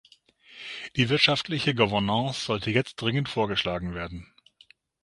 Die wirtschaftliche Governance sollte jetzt dringend vorgeschlagen werden.